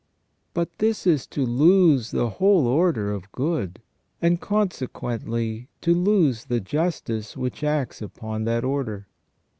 But this is to lose the whole order of good, and consequently to lose the justice which acts upon that order.